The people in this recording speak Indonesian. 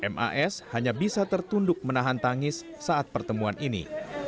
mas hanya bisa tertunduk menahan tangis saat pertemuan ini